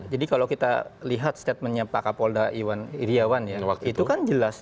jadi kalau kita lihat statementnya pak kapolda iryawan itu kan jelas